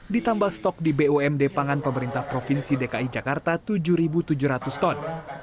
ditambah stok di bumd pangan pemerintah provinsi dki jakarta tujuh tujuh ratus ton